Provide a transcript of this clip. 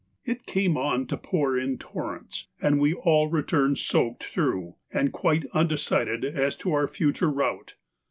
It came on to pour in torrents, and we all returned soaked through, and quite undecided as to our future route.